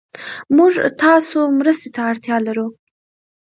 موږ تاسو مرستې ته اړتيا لرو